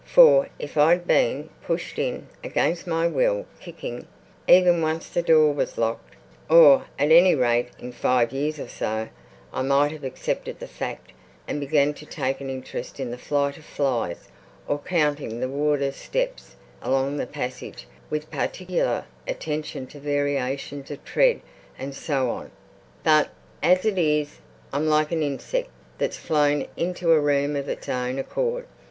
For if I'd been—pushed in, against my will—kicking, even—once the door was locked, or at any rate in five years or so, I might have accepted the fact and begun to take an interest in the flight of flies or counting the warder's steps along the passage with particular attention to variations of tread and so on. But as it is, I'm like an insect that's flown into a room of its own accord.